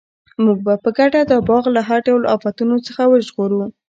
موږ به په ګډه دا باغ له هر ډول آفتونو څخه وژغورو.